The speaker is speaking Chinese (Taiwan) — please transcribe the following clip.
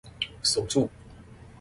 鎖住